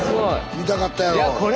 見たかったやろ？